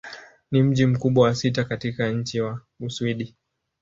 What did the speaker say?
Ni mji mkubwa wa sita katika nchi wa Uswidi.